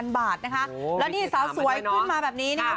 แล้วนี่สาวสวยขึ้นมาแบบนี้นะครับ